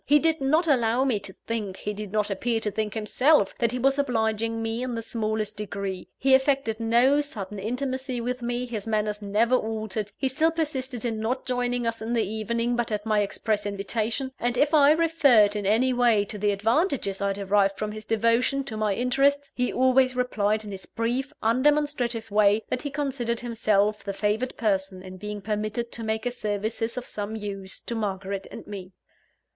He did not allow me to think he did not appear to think himself that he was obliging me in the smallest degree. He affected no sudden intimacy with me; his manners never altered; he still persisted in not joining us in the evening, but at my express invitation; and if I referred in any way to the advantages I derived from his devotion to my interests, he always replied in his brief undemonstrative way, that he considered himself the favoured person, in being permitted to make his services of some use to Margaret and me.